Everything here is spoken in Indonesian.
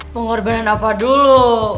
pengorbanan apa dulu